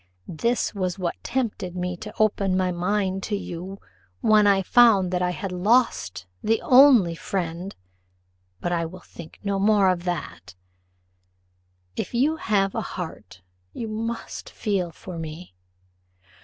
This was what tempted me to open my mind to you when I found that I had lost the only friend but I will think no more of that if you have a heart, you must feel for me.